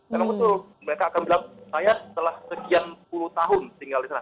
memang betul mereka akan bilang saya telah sekian puluh tahun tinggal di sana